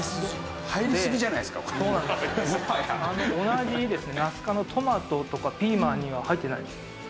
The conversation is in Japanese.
同じナス科のトマトとかピーマンには入ってないです。